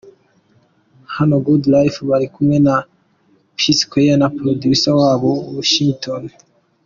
Hano Good Life bari kumwe na P Sqaure na Producer wabo Washington.